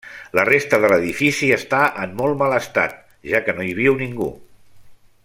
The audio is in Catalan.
La resta de l'edifici està en molt mal estat, ja que no hi viu ningú.